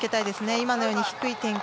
今のように低い展開